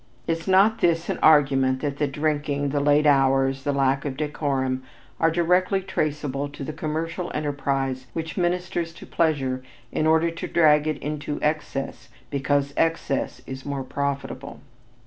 Is not this an argument that the drinking, the late hours, the lack of decorum, are directly traceable to the commercial enterprise which ministers to pleasure in order to drag it into excess because excess is more profitable?